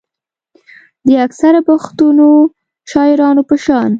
د اکثره پښتنو شاعرانو پۀ شان